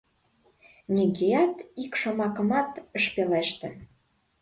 Нигӧат ик шомакымат ыш пелеште.